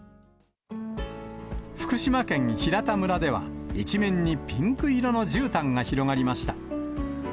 福島県平田村では、一面にピンク色のじゅうたんが広がりました。